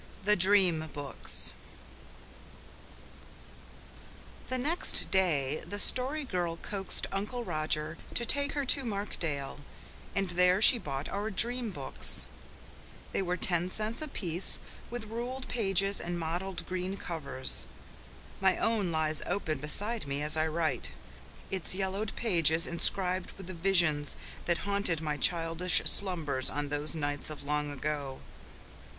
THE DREAM BOOKS The next day the Story Girl coaxed Uncle Roger to take her to Markdale, and there she bought our dream books. They were ten cents apiece, with ruled pages and mottled green covers. My own lies open beside me as I write, its yellowed pages inscribed with the visions that haunted my childish slumbers on those nights of long ago.